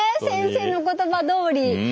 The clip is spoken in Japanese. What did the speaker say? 先生の言葉どおり。